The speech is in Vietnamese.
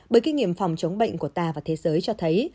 bởi kinh nghiệm phòng chống bệnh của ta và thế giới cho thấy